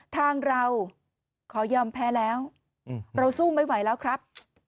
ทางเราขอยอมแพ้แล้วเราสู้ไม่ไหวแล้วครับ